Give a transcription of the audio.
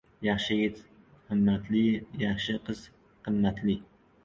• Yaxshi yigit himmatli, yaxshi qiz qimmatli.